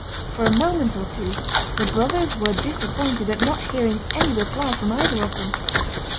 For a moment or two the brothers were disappointed at not hearing any reply from either of them.